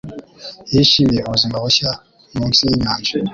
Yishimiye ubuzima bushya munsi yinyanja.